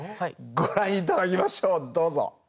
ご覧頂きましょうどうぞ。